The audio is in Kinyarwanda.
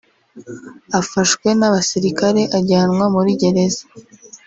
afashwe n’abasirikare ajyanwa muri gereza